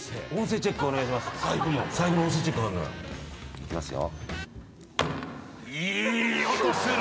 いきますよ。